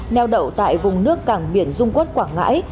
neo đậu tại vùng nước cảng biển dung quốc quảng ngãi